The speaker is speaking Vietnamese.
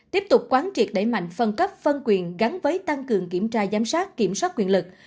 tiếp tục quán triệt đẩy mạnh phân cấp phân quyền gắn với tăng cường kiểm tra giám sát kiểm soát quyền lực